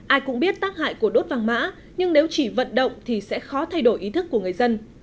ai cũng biết tác hại của đốt vàng mã nhưng nếu chỉ vận động thì sẽ khó thay đổi ý thức của người dân